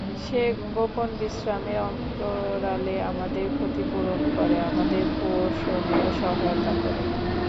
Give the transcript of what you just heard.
সে গোপন বিশ্রামের অন্তরালে আমাদের ক্ষতিপূরণ করে, আমাদের পোষণের সহায়তা করে।